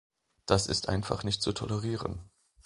Das ist einfach nicht zu tolerieren.